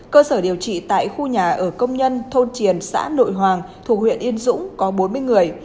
cơ sở điều trị tại khu nhà ở công nhân thôn triềng xã nội hoàng thuộc huyện yên dũng có bốn mươi người